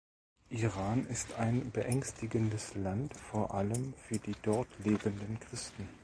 Iran ist ein beängstigendes Land, vor allem für die dort lebenden Christen.